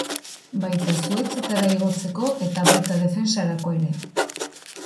Baita zuhaitzetara igotzeko eta baita defentsarako ere.